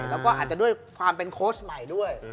แล้วก็อาจจะด้วยความเป็นโค้ชใหม่ด้วย